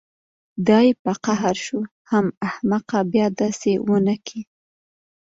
دى په قهر شو حم احمقه بيا دسې ونکې.